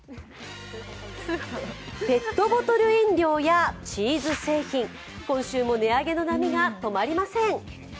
ペットボトル飲料やチーズ製品、今週も値上げの波が止まりません。